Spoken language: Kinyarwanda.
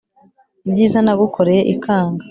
ibyiza nagukoreye ikanga